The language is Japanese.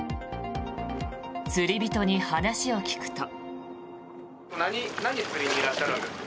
釣り人に話を聞くと。